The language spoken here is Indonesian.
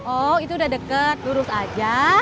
oh itu udah deket lurus aja